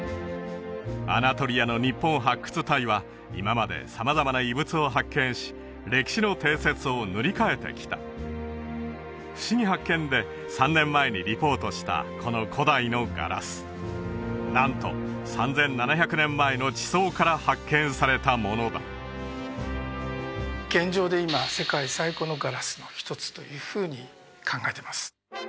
アナトリアの日本発掘隊は今まで様々な遺物を発見し歴史の定説を塗り替えてきた「ふしぎ発見！」で３年前にリポートしたこの古代のガラスなんと３７００年前の地層から発見されたものだ現状で今世界最古のガラスの一つというふうに考えてます